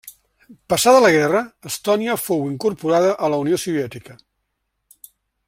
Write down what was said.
Passada la guerra, Estònia fou incorporada a la Unió Soviètica.